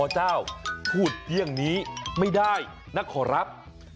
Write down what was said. เจ้าพูดเที่ยงนี้ไม่ได้นะขอรับ